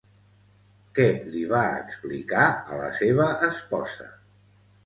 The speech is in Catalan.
Què li va explicar a la seva esposa?